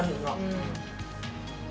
うん。